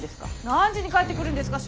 何時に帰ってくるんですか？